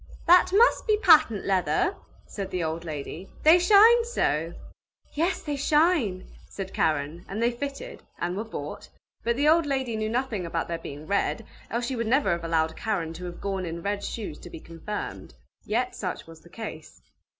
"That must be patent leather!" said the old lady. "They shine so!" "Yes, they shine!" said Karen, and they fitted, and were bought, but the old lady knew nothing about their being red, else she would never have allowed Karen to have gone in red shoes to be confirmed. Yet such was the case.